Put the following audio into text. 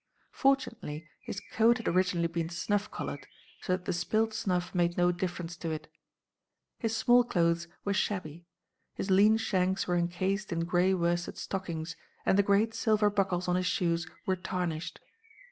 Fortunately his coat had originally been snuff coloured, so that the spilled snuff made no difference to it. His small clothes were shabby; his lean shanks were encased in grey worsted stockings, and the great silver buckles on his shoes were tarnished.